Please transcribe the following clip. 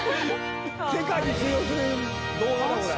世界に通用する動画だよこれ。